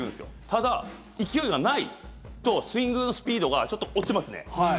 ただ、勢いがないとスイングスピードがちょっと落ちますね。